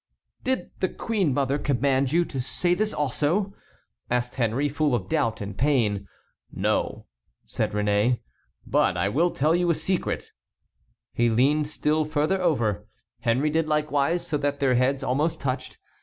"Did the queen mother command you to say this also?" asked Henry, full of doubt and pain. "No," said Réné; "but I will tell you a secret." He leaned still further over. Henry did likewise, so that their heads almost touched.